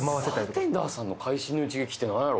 バーテンダーさんの会心の一撃ってなんやろ？